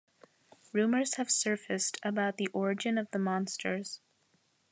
Rumors have surfaced about the origin of the monsters.